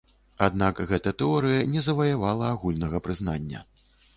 Аднак гэта тэорыя не заваявала агульнага прызнання.